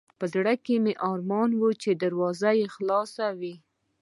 په زړه کې مې ارمان و چې دروازه یې خلاصه وای.